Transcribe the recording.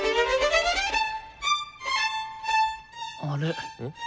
あれ？